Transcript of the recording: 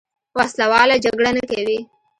وسله واله جګړه نه کوي.